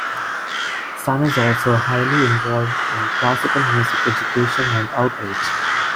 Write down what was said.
Sun is also highly involved in classical music education and outreach.